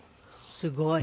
すごい。